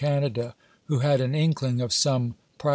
Canada who had an inkling of some "prac?